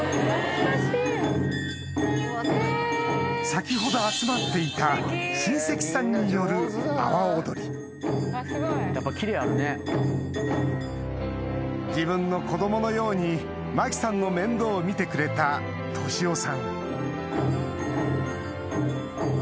先ほど集まっていた自分の子供のように麻貴さんの面倒を見てくれた敏夫さん